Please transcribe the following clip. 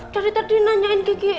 tadi tadi nanyain kiki